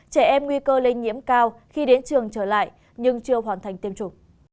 trẻ em nguy cơ lây nhiễm cao khi đến trường trở lại nhưng chưa hoàn thành tiêm chủng